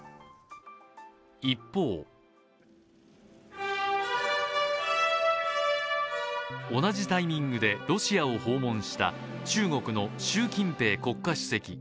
一方同じタイミングでロシアを訪問した中国の習近平国家主席。